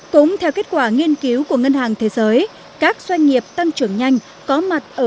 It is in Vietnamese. cũng theo kết quả nghiên cứu của ngân hàng thế giới các doanh nghiệp tăng trưởng nhanh có mặt ở